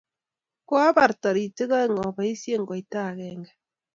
koabar toritik oeng' aboisien kooita agenge